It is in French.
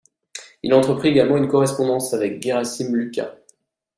Il entreprit également une correspondance avec Ghérasim Luca.